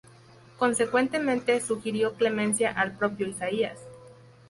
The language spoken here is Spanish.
Consecuentemente, sugirió clemencia al propio Isaías.